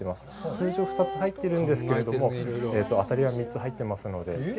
通常、２つ入ってるんですけども、当たりは３つ入っていますので。